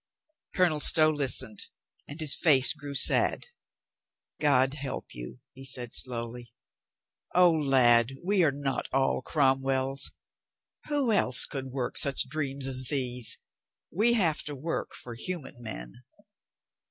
Colonel Stow listened and his face grew sad. "God help you!" he said slowly. "O, lad, we are not all Cromwells. Who else could work such dreams as these? We have to work for human men."